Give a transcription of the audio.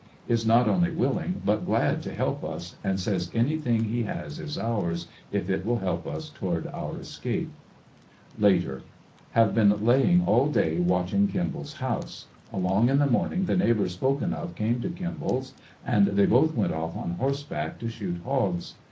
Is not only willing, but glad to help us, and says anything he has is ours, if it will help us toward our escape. Later. — Have *been laying all day watching Kimball's house. Along in the morning the neighbor spoken of came to Kimball's, and they both went off on horseback to shoot hogs.